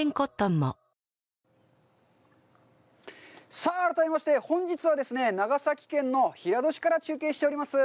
さあ、改めまして、本日はですね、長崎県の平戸市から中継しております。